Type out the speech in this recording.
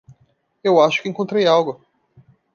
Eu acho que encontrei algo.